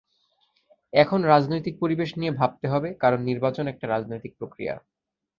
এখন রাজনৈতিক পরিবেশ নিয়ে ভাবতে হবে, কারণ নির্বাচন একটা রাজনৈতিক প্রক্রিয়া।